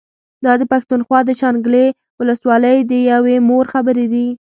دا د پښتونخوا د شانګلې ولسوالۍ د يوې مور خبرې دي